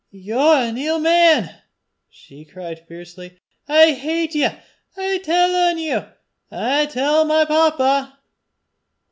Ye're an ill man!" she cried fiercely. "I hate ye. I'll tell on ye. I'll tell my papa."